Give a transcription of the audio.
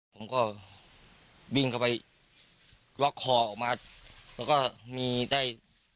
ผมก็วิ่งเข้าไปล็อกคอออกมาแล้วก็มีได้